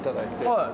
はい。